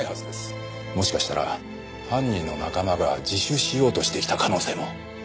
もしかしたら犯人の仲間が自首しようとしてきた可能性も。